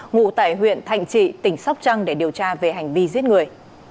ngụ tại huyện thành trị tỉnh sóc trăng để điều tra về hành vi giết người